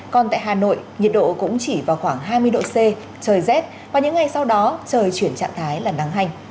còn tại hà nội nhiệt độ cũng chỉ vào khoảng hai mươi độ c trời rét và những ngày sau đó trời chuyển trạng thái là nắng hành